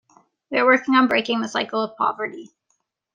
We are working on breaking the cycle of poverty.